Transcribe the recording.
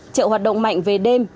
chợ hoạt động mạnh về đêm